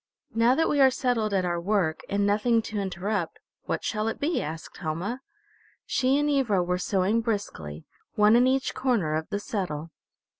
"Now that we are settled at our work, and nothing to interrupt, what shall it be?" asked Helma. She and Ivra were sewing briskly, one in each corner of the settle.